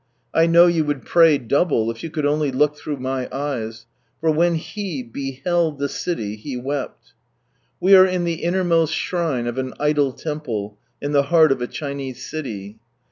I know you would |tray double if you could only look through my eyes, for " when He beheld the city, He wept," ... We are in the innermost shrine of an idol temple, in the heart of a Chinese city.